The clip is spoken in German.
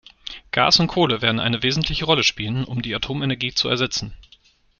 Gas und Kohle werden eine wesentliche Rolle spielen, um die Atomenergie zu ersetzen.